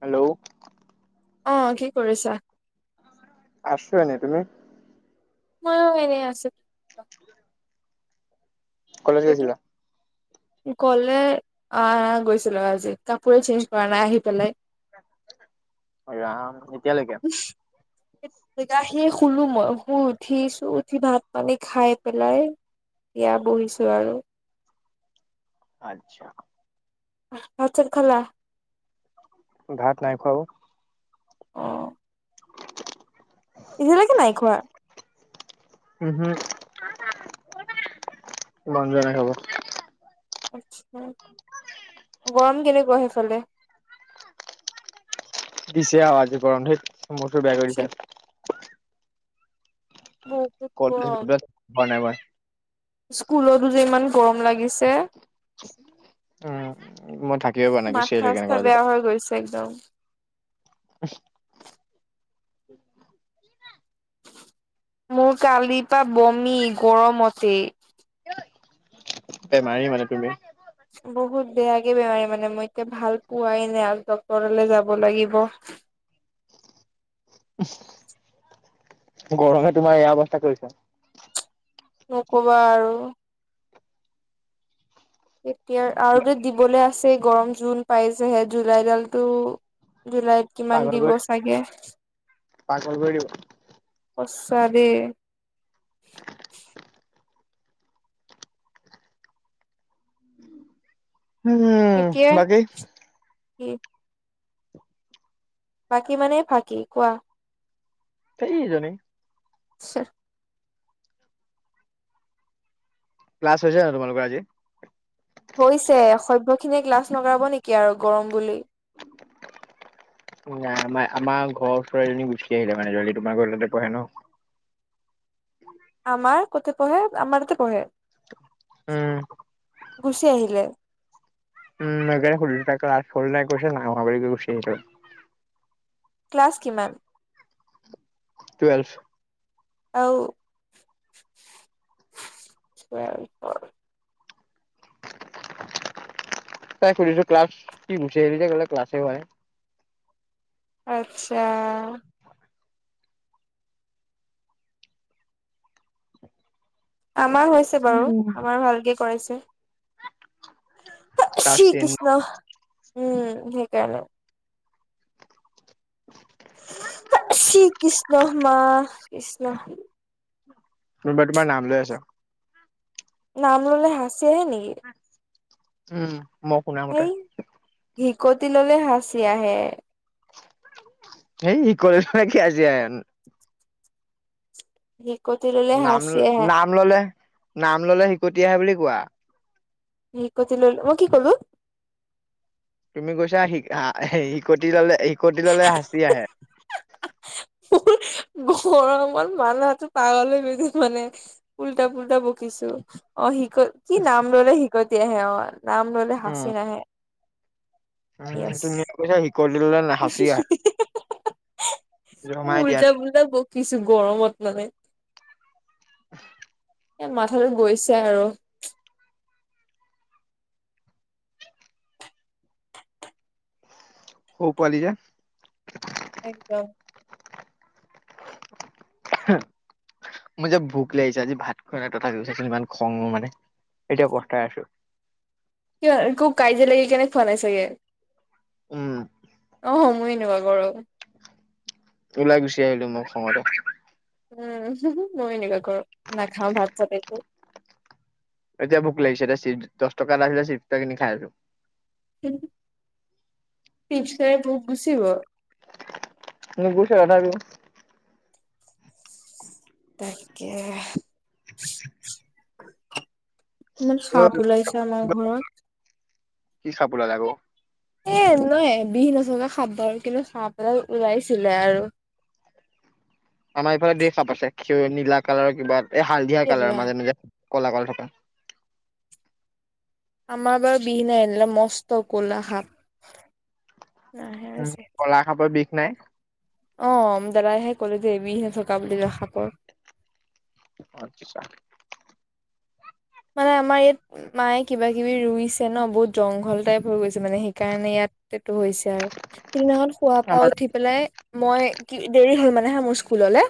Hello,. অ', কি কৰিছা। আছো ন তুমি? ম‌য়ো এনেই আছো। কলেজ গৈছিলা? কলে আহ গৈছিলো আজি কাপোৰে চেঞ্জ কৰা নাই আহি পেলাই। ৰাম এতিয়ালেকে? আহি শুলো মই শুই উঠিছো উঠি ভাত পানী খাই পেলাই এতিয়া বহিছো আৰু। আচ্ছা। ভাত চাট খালা? ভাত নাই খোৱা অ। অ। এতিয়ালৈকে নাই খোৱা। উম হুম। মন যোৱা নাই খাব। আচ্ছা। গৰম কেনেকুৱা সেইফালে? পিছে আজি গৰম ধুইত মূৰ চুৰ বেয়া কৰি দিছে। বহুত কত গৰম নাই মই। স্কুলতো যে ইমান গৰম লাগিছে। উম মই থাকিব পৰা নাই গুচি আহিলো মাথা সেইকাৰণে চাথা কলেজৰ বেয়া পৰা হৈ গৈছে একদম। [unintelligible] উ [unintelligible] মোৰ কালিৰপা বমি গৰমতেই। তাই মাৰি মানে তুমি? বহুত বেয়াকে বেমাৰী মানে মই এতিয়া ভাল পোৱাই নাই আৰু ডক্তৰলে যাব লাগিব। [unintelligible] গৰমে তোমাৰ এয়া অৱস্থা কৰিছে। ন ক'বা আৰু। এতিয়া আৰু দিবলে আছে গৰম জুন পাইছেহে জুলাই ডালতটো জুলাইত কিমান পাগল দিব কৰি চাগে। পাগল কৰি দিব। সঁচা দেই। উম এতিয়া বাকী [unintelligible] বাকী মানেই ফাঁকি কোৱা। তেই য ন ছ ক্লাছ হয় হৈছে ন তোমালোক আজি। হৈছে সভ্যখিনিয় লাচ নগৰাব নেকি আৰু গৰম বুলি। এয়া আমাৰ আমাৰ ঘৰৰ চৰাালীজনী গুচি আহিলে মানে যলদি তোমাৰ ঘৰ ততে পঢ়ে ন। আমাৰ কথ পঢ়ে আমাৰতে পঢ়ে। উম। গুচি আহিলে। উম মাকে সুধিছে ক্লাছ কৰিলি নাই কৈছে বা বি ক গুচি আহিলে। ক্লাছ কিমান? টুৱেলভ। আহ। তাই সুধিছো ক্লাছ কি গুচি আহিলি যে কলে ক্লাছে হয় আচ্ছা। আমাৰ হৈছে বাৰু আমাৰ ভালকে কৰাইছে। ক্লাছ টেন কৃষ্ণ উম সেইকাৰণে। কৃষ্ণ মা কৃষ্ণ। কোনবাই তোমাৰ নাম লৈ আছে। নাম ল'লে হাচি আহে নেকি। উম মই শুনা মতে। হিকটি ল'লে হাঁচি আহে। এই ই কৰিছ ন কি আজি [unintelligible] হাঁচি আহে নাম-নাম ল'লে-নাম ল'লে হীকটি আহে বুলি কোৱা। হীকতি ল'লো, মই কি ক'লো। তুমি কৈছা হী হিকটি ল'লে-হীকতি ল'লে হাঁচি আহে। [unintelligible] গৰমত মাথাটো পাগল হৈ গৈছে মানে, উল্টা পুল্টা বকিছো অ', হি ক কি নাম ল'লে হিকতি আহে অ' নাম ল'লে উম হাচি নাহে। উম, য়েছ তুমি কৈছা হিকটি ল'লে না হাঁচি আহে। জমাই দিয়া উল্টা পুল্টা বকিছো গৰমত মানে। [inaudible] এই মাথাটো গৈছে আৰু। সৌ পোৱালি যে। একদম। [unintelligible] মোৰ যে ভোক লাগিছে আজি ভাত খোৱা নাই [unintelligible] ইমান খং মোৰ মানে। এতিয়া পস্তাই আছো। সেইয়াই। উম। অ' [unintelligible] ওলাই গুছি আহিলো মই খঙতে। উম, মই এনেকুৱা কৰো নাখাও ভাত চাত একো। এতিয়া ভোক লাগিছে দে চিপচ দছ টকা এটা আছিলে চিপচ এটা কিনি খাই আছোঁ। চিপচ খাই ভোক গুচিব। নুগুছে এটা দি। তাকে। ইমান সাপ ওলাইছে আমাৰ ঘৰত। কি সাপ ওলাল আকৌ। এ নহয় বিহ নথকা সাপ দাল, কিন্তু সাপ এডাল ওলাইছিলে আৰু। আমাৰ এইফালে ধেৰ কাপ আছে নীলা কালাৰ কিবা এ হালধিয়া এৰা কালাৰ মাজে- মাজে ক'লা- ক'লা থকা। আমাৰ বাৰু বিহ নাই [unintelligible] মস্ত ক'লা সাপ। [unintelligible] উম কলা সাপৰ বিষ নাই। অ' দাদাইহে ক'লে যে বিহ নথকা বুলি [unintelligible] সাপৰ। আচ্ছা। মানে আমাৰ ইয়াত মায়ে কিবা কিবি ৰুইছে ন, বহুত জংঘল টাইপ হৈ গৈছে মানে সেইকাৰণে ইয়াত এইটো হৈছে আৰু সিদিনাখন শুৱা পা আমাৰ উঠি পেলাই মই কি দেৰি হ'ল মানে হা মোৰ স্কুললে,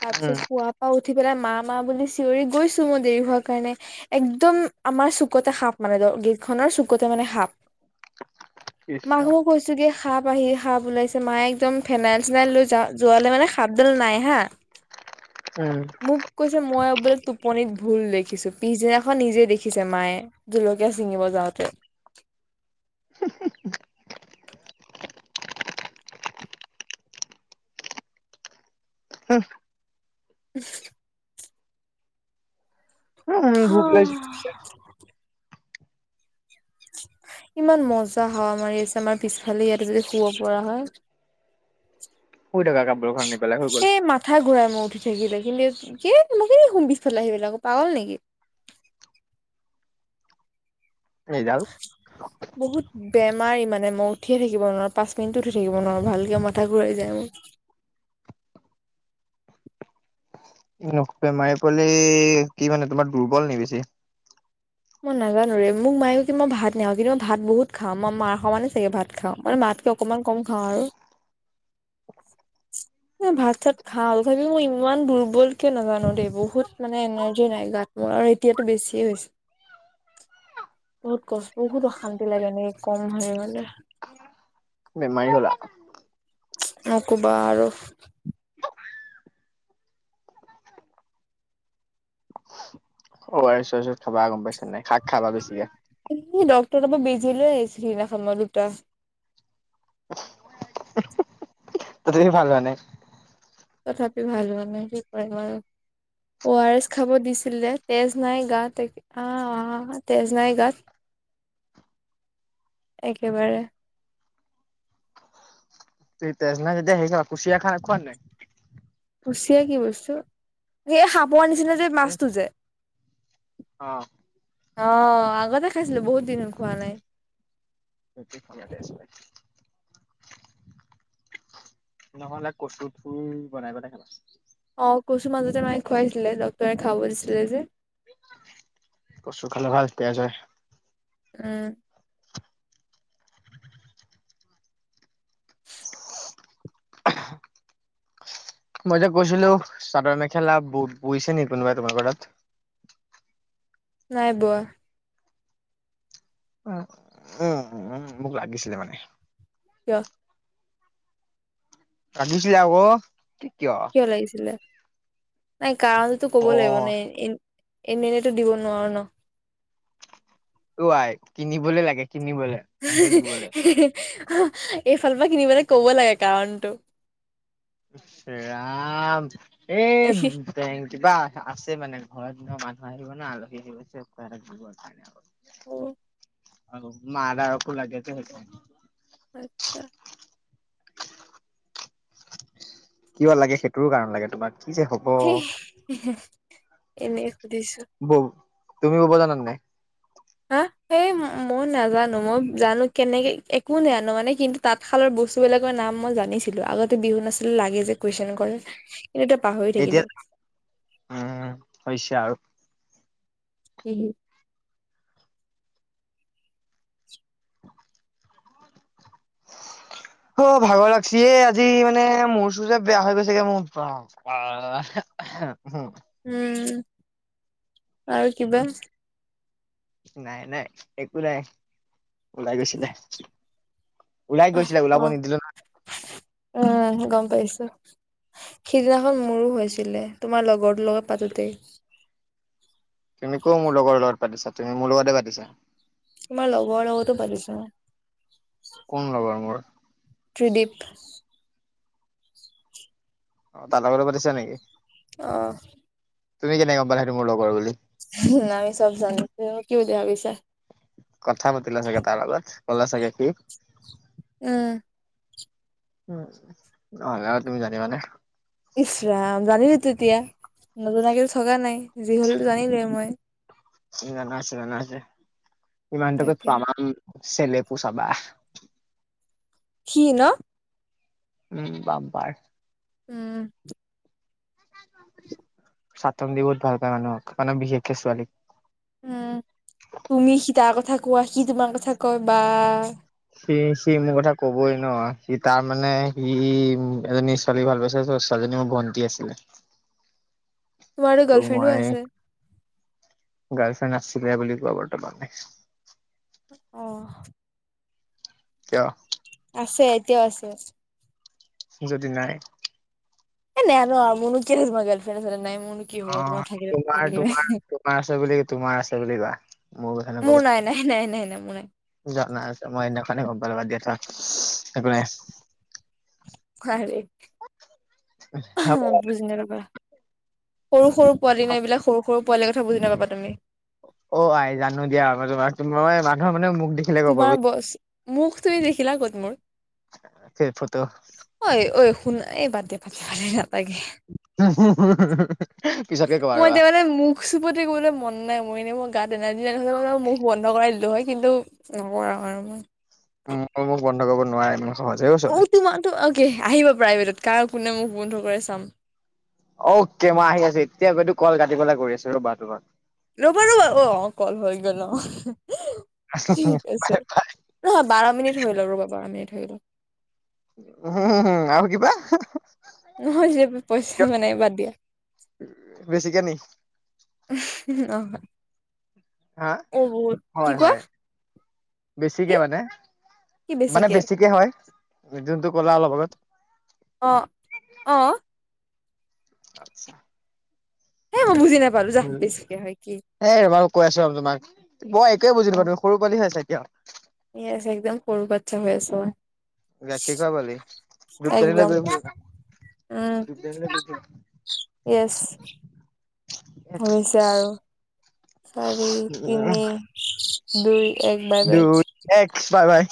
তাৰপিছত উম শুৱা পা উঠি বোলে মা- মা বুলি চিঞৰি গৈছো মই দেৰি হোৱা কাৰণে, একদম আমাৰ চুকতে সাপ মানে গেত খনৰ চুকতে মানে সাপ। কৃষ্ণ মাক মই কৈছোগে সাপ আহি সাপ ওলাইছে মায়ে একদম ফেনাইল চেনাইল লৈ যাওঁ যোৱালে মানে সাপডাল নাই হা। উম মোক কৈছে মই বোলে টোপনিত ভুল দেখি খিছো পিছদিনাখন নিজে দেখিছে মায়ে জলকীয়া ছিঙিব যাওঁতে। [unintelligible] [unintelligible] [unintelligible] উম ভোক লাগিছে [unintelligible] [inaudible] ইমান মজা হাৱা মাৰি আছে আমাৰ পিছফালে ইয়াত যদি শুব পৰা হয়। শুই থাকা কাপোৰখন আনি পেলাই হৈ গ'ল সেই মাথা ঘূৰাই মোৰ থাকিলে কিন্তু কি মই কেলে শুম পিছফালে আহি পেলাই পাগল নিকি? এইডাল বহুত বেয়া নোৱাৰি মানে মই উঠিয়ে থাকিব নোৱাৰো পাঁচ মিনিটো উঠি থাকিব নোৱাৰো ভালকে মাথা ঘূৰাই যায় মোৰ। [inaudible] [unintelligible] কলে কি মানে তোমাৰ দুৰ্বল নি বেছি? মই নাজানো ৰে মোক মায়ে কয় কি মই ভাত নাও কিন্তু মই ভাত বহুত খাওঁ মই মাৰ সমানেই চাগে ভাত খাও, মানে মাত তকে অকমান কম খাওঁ আৰু। এ ভাত-চাত খাওঁ তথাপিও মই ইমান দুৰ্বল কিয় নাজানো দেই বহুত মানে এনাৰ্জি নাই গাত মোৰ আৰু এতিয়াতো বেছিয়ে হৈছে। বহুত কষ্ট বহুত অশান্তি লাগে এনেকে কম হৈ গ'লে। বেমাৰি হ'লা। নকবা আৰু। [unintelligible] O R S R S খাবা গম পাইছ নাই শাক খাবা বেছিকে। ডক্তৰ তাপা বেজি লৈ আহিছো মই সিদিনাখন মই দুটা। তথাপিও ভাল হোৱা নাই? তথাপিও ভাল হোৱা নাই কি কৰিম আৰু। অ আৰ এছ খাব দিছিলে, তেজ নাই গাত এ, আ তেজ নাই গাত একেবাৰে। সেই তেজ নাই যেতিয়া হেৰি খাবা, কুচিয়া খোৱা নাই? কুচিয়া কি বস্তু, সেই সাপৰ নিচিনা যে মাছটো যে? অ। অ, আগতে খাইছিলো বহুত দিন খোৱা নাই। [unintelligible] নহ'লে কচুৰ ঠোৰ বনাই পেলাই খাবা। অ কচু মাজাতে মায়ে খুৱাইছিলে ডক্তৰে খাব দিছিলে যে। কচু [unintelligible] উম। [inaudible] মই যে কৈছিলো চাদৰ-মেখেলা ব বৈছে নি কোনোবাই তোমালোকৰ তাত? নাই বোৱা। উম উম উম মোক লাগিছিলে মানে। কিয়? লাগিছিলে আক। কিয় লাগিছিলে নাই কাৰণতো ক'ব অ লাগিব এনে এনে এনেইতো দিব নোৱাৰো ন। ও আই কিনিবলে লাগে। কিনিবলে [unintelligible] মানুহ [unintelligible] দিবলে। এইফালৰ পৰা কিনিবলৈ ক'ব লাগে কাৰণটো। ৰাম এই ব কিবা আছে মানে। ঘৰত দিনত মানুহ আহিব ন আলহী আহিব চ দিব কাৰণে আৰু। উম। অ মাদাৰকো লাগে যে সেইকাৰণে। আচ্ছা। কিয় লাগে সেইটোৰো কাৰণ লাগে তোমাক কি যে হ হ'ব। এনেই সুধিছো ব তুমি বব জনানা নাই অ মই নাজানো মই জানো কেনেকে একো নজানো মানে কিন্তু তাঁতশালৰ বস্তু বিলাকৰ নাম মই জানিছিলো আগতে বিহু নাছিলে লাগে যে কুৱেশন কৰে এতিয়া পাহৰি এতিয়া থাকিলো উম হৈছে আৰু উ [unintelligible] অ ভাগৰ লাগছি আজি মানে মোৰ চো যে বেয়া হৈ গৈছেগে মোৰ বাপপাৰ উম উম আৰু কিবা নাই নাই একো নাই ওলাই গৈছিলে ওলাই গৈছিলে ওলাব নিদিলো উম গম পাইছো সিদিনাখন মোৰো হৈছিলে তোমাৰ লগৰটোৰ লগত পাতোতেই তুমি কও মোৰ লগৰ লগত পাতিছা তুমি মোৰ লগতে পাতিছা তোমাৰ লগৱ লগতো পালিছো মই কোন লগৰ মোৰ সুদীপ অ তাৰ লগতে পাতিছা নেকি? আহ তুমি কেনেকে গম পালা সেইটো মোৰ লগৰ বুলি নাই চব জানো তোমি মোক কিয় বেয়া পাইছা কথা পাতিলা চাগে তাৰ লগত কলা চাগে কি উম উম ভ আৰু তুমি জানিবিবানে ইশৰাাম জানিলো তিতিয়া নজনাকৈ টো থকা নাই যি হলেটো জানিলোৱে মই জানা আছে জানা আছে ইমান কত তাকে তামাম চেলেপু চাবা সি ন উম বাম পাৰ উম সাতন দি বহুত ভাল পায় মানুহক মানে বিশেষকে ছোৱালীক উম তুমি সি তাৰ কথা কোৱা সি তোমাৰ কথা কয় বা স সি মোৰ কথা কবই ন সি তাৰ মানে সি এজনী ছোৱালী ভাল পাইছে ছোৱালীজনীৰ বণ্টি আছিলে [unintelligible] তোমাৰ আৰু ত' গৰ্লফ্ৰেণ্ডও মই আছে আছিল বুলি কোৱা বৰ্তমানে আহ কিয় আছে এতিয়া আছে যদি নাই এ নানো মন কে মই গলফ্ৰেন নাই মোৰনো কি হ'ব অ তোমাৰ থাকিলে তোমাৰ নাথাকিলে নাই। তোমাৰ তোমাৰ আছে বুলি তোমাৰ আছে বুলি কোৱা মোৰ কথা নকবা নাই নাই নাই নাই মোৰ নাই জাই আছে মই সেদিনাখনে গমপালো বা দিয়া থাকিব ই বুজি নপাবা সৰু সৰু পোৱালি ন' এইবিলাক সৰু সৰু পোৱালিৰ কথা বুজি নাপাবা তুমি। অ আই জানো দিয়া মই তোমাক মই মানুহৰ মানে মোক তোমাৰ ব মুখ তুমি দেখিলা ক'ত মোৰ? কেই ফত' কোনয় বাদ্থদে পা পালি তাকে [inaudible] পিছতকে কবা মই ৰবা এতিয়া মানে মুখ চুপতি ক'বলৈ মন নাই মই এনেই মোৰ গাত হ'লে মান মুখ বন্ধ কৰাই দিলো হয় কিন্তু নকৰা আৰু মই মই মোক বন্ধ কৰিব নোৱাৰিম। অ', তোমাৰো অকে আহিবা প্ৰাইভেটত কাৰ কোনে মোক বন্ধ কৰি চাম। অকে মই আহি আছো এতিয়া ব ত কল কাটিবেললৈ কৰি আছো ৰ'ব তোমাৰ। ৰ'বা ৰবা অ', অ', কল হৈ গ'ল। ঠিক আছে নহয় বাৰ মিনিট হৈ লওঁ ৰ'বা বাৰ মিনিট লওঁক। উম, উম আৰু আৰু কিবা। নহয় যে পইচা কিয় মানে বাদ দিয়া। বেছিকে ন'। অ', হা। অ', বত কি হয় কোৱা? হয় কি বেছিকে মানে মানে বেছিকে হয় যোনটো কলা অলপ আত অ', অ'। আতছা। হে মই বুজি নাপালো য বেছিকে হয় কি এ বাৰু কৈ আছো ৰম তোমাক মই একোৱে বুজি নাপাওঁ তুমি সৰু পাৱালী হৈ আছা এতিয়া। ই একদম সৰু বাচ্ছা হৈ আছো মই। গাখীৰ খোৱা পালি গপান একদম গৈ উম, দোকানীলৈ গৈ য়েচ। হৈছে আৰু চাৰি, উম তিনি, দুই একবাৰ বে দুই এক বাই, বাই।